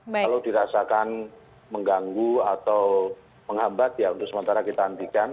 kalau dirasakan mengganggu atau menghambat ya untuk sementara kita hentikan